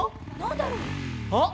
あっ！